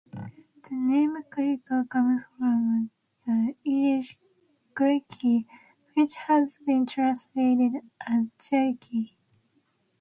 The name Cuilcagh comes from the Irish "Cuilceach", which has been translated as "chalky".